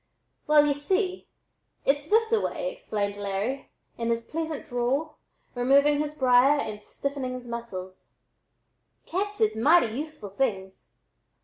"Well, y'u see, it's this a way," explained Larry, in his pleasant drawl, removing his briar and stiffening his muscles: "Cats is mighty useful things.